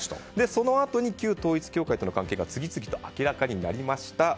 そのあとに旧統一教会との関係が次々と明らかになりました。